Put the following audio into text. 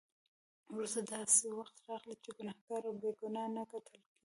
وروسته داسې وخت راغی چې ګناهګار او بې ګناه نه کتل کېدل.